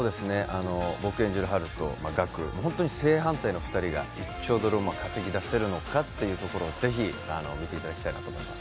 僕演じるハルとガク、本当に正反対の２人が１兆ドルを稼ぎ出せるのかというところをぜひ見ていただきたいと思います。